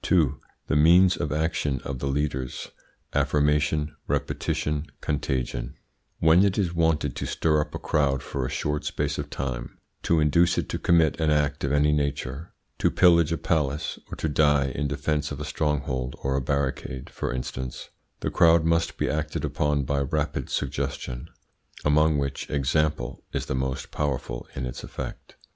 2. THE MEANS OF ACTION OF THE LEADERS: AFFIRMATION, REPETITION, CONTAGION When it is wanted to stir up a crowd for a short space of time, to induce it to commit an act of any nature to pillage a palace, or to die in defence of a stronghold or a barricade, for instance the crowd must be acted upon by rapid suggestion, among which example is the most powerful in its effect.